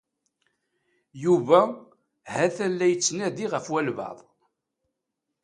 Yuba ha-t-an la yettnadi ɣef walbaɛḍ.